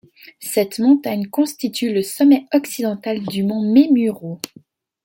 Cette montagne constitue le sommet occidental du mont Memuro.